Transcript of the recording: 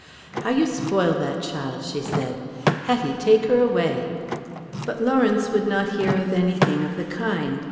"How you spoil that child," she said. "Hetty, take her away." But Lawrence would not hear of anything of the kind.